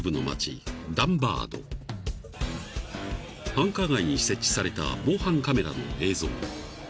［繁華街に設置された防犯カメラの映像］